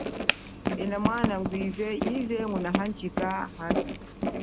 Ena mwana, ngwive yize nguna handjika hano.